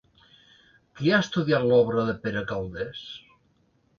Qui ha estudiat l'obra de Pere Calders?